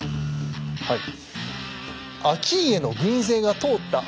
はい。